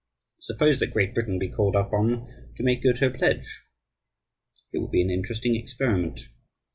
Suppose that Great Britain be called upon to make good her pledge? It would be an interesting experiment.